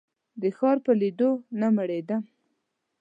د ښار په لیدو نه مړېدم.